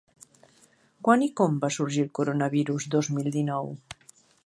Quan i com va sorgir el coronavirus dos mil dinou?